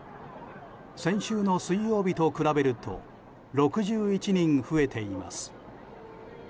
先週の水曜日と比べると６１人増えています。